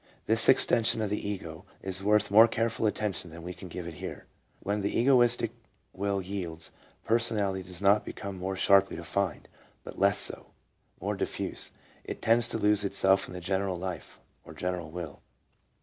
This extension of the ego is worth more careful attention than we can give it here. When the egoistic will yields, personality does not become more sharply defined, but less so ; more diffuse, it tends to lose itself in the general life, or general will.